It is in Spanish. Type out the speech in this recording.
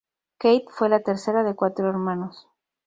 Kate fue la tercera de cuatro hermanos.